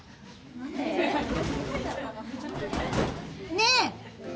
ねえ！